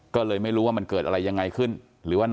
ก็เลยไม่รู้มันเกิดอะไรยังไงขึ้น